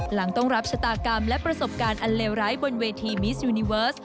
หลังต้องรับชะตากรรมและประสบการณ์อันเลวร้ายบนเวทีมิสยูนิเวิร์ส